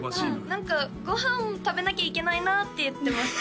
何か「ごはん食べなきゃいけないな」って言ってます